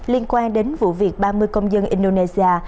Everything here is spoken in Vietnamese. liên quan đến vụ việc ba mươi công dân indonesia